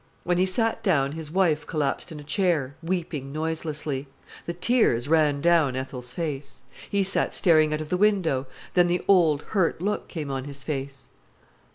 When he sat down his wife collapsed in a chair, weeping noiselessly. The tears ran down Ethel's face. He sat staring out of the window; then the old, hurt look came on his face.